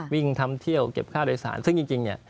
วิ่งทำเที่ยวเก็บข้าวโดยสารซึ่งจริง